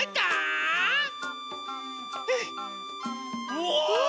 うわ！